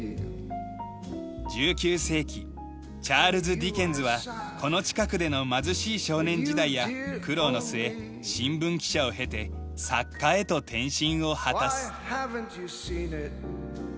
１９世紀チャールズ・ディケンズはこの近くでの貧しい少年時代や苦労の末新聞記者を経て作家へと転身を果たす。